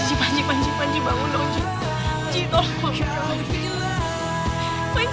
ji panji panji panji bangun dong ji